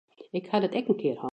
Ik ha dat ek in kear hân.